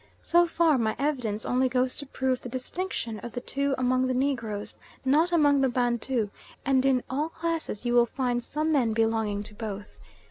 So far my evidence only goes to prove the distinction of the two among the Negroes, not among the Bantu, and in all cases you will find some men belonging to both.